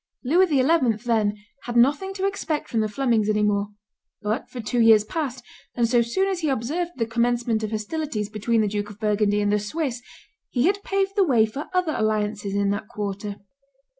Louis XI., then, had nothing to expect from the Flemings any more; but for two years past, and so soon as he observed the commencement of hostilities between the Duke of Burgundy and the Swiss, he had paved the way for other alliances in that quarter.